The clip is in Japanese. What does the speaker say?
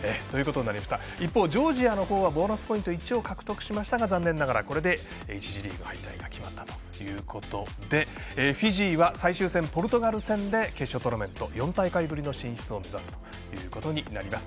一方、ジョージアのほうはボーナスポイント１を獲得しましたが残念ながら、これで１次リーグ敗退が決まったということでフィジーは、最終戦ポルトガル戦で決勝トーナメント、４大会ぶりの進出を目指すことになります。